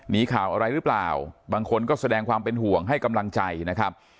ข่าวอะไรหรือเปล่าบางคนก็แสดงความเป็นห่วงให้กำลังใจนะครับ